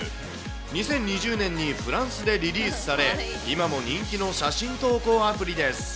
２０２０年にフランスでリリースされ、今も人気の写真投稿アプリです。